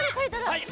はい！